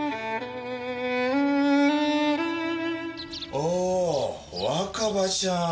おお若葉しゃん！